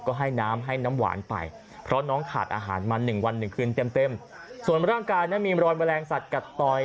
ก็ให้น้ำให้น้ำหวานไปเพราะน้องขาดอาหารมัน๑วัน๑คืนเต็มส่วนร่างกายมีรอยแมลงสัตว์กัดต่อย